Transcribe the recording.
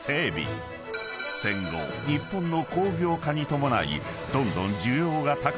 ［戦後日本の工業化に伴いどんどん］